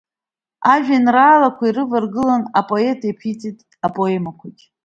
Ажәеинраалақәа инрываргыланы апоет иаԥиҵеит апоемақәагьы…